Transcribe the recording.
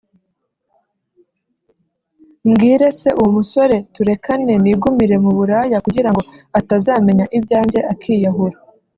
Mbwire se uwo musore turekane nigumire mu buraya kugirango atazamenya ibyanjye akiyahura